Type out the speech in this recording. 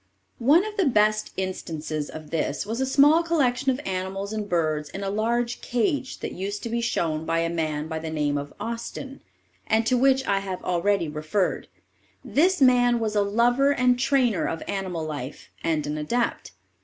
One of the best instances of this was a small collection of animals and birds in a large cage that used to be shown by a man by the name of Austin, and to which I have already referred. This man was a lover and trainer of animal life, and an adept.